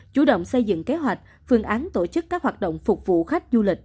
chủ động xây dựng kế hoạch phương án tổ chức các hoạt động phục vụ khách du lịch